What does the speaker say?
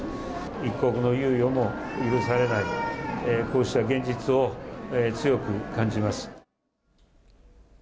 一刻の猶予も許されない、こうした現実を強く感じます。